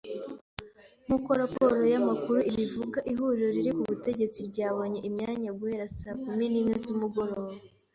Nk’uko raporo y’amakuru ibivuga, ihuriro riri ku butegetsi ryabonye imyanya guhera saa kumi nimwe zumugoroba